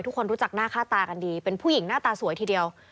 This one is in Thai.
ทุกคนรู้จักหน้าค่าตากันดีเป็นผู้หญิงหน้าตาสวยทีเดียว